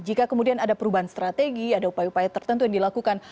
jika kemudian ada perubahan strategi ada upaya upaya tertentu yang dilakukan